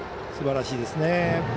すばらしいですね。